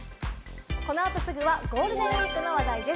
この後、すぐはゴールデンウイークの話題です。